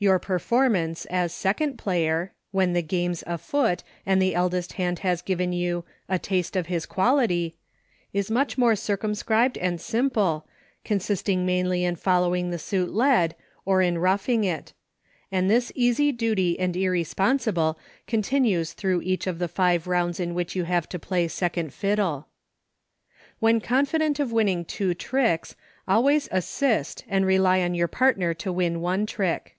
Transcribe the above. Your performance, as second player, — when " the game's afoot," and the eldest hand has given you " a taste of his quality," — is much more circumscribed and simple, consisting mainly in following the suit led, or in ruff ing it; and this easy duty and irresponsible continues through each of the five rounds in which you have to play second fiddle. When confident of winning two tricks al ways assist and rely on your partner to win one trick.